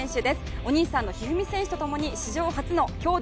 お兄さんの一二三選手と共に史上初の兄妹